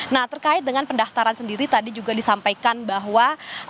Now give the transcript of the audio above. nah terkait dengan pendaftaran sendiri tadi juga disampaikan bahwa